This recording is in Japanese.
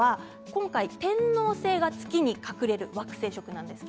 今回、天王星が月に隠れる惑星食です。